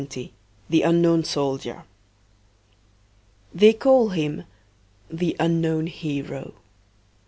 XX THE UNKNOWN SOLDIER They call him "the unknown hero."